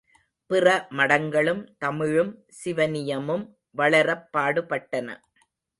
பிற மடங்களும் தமிழும் சிவனியமும் வளரப் பாடுபட்டன.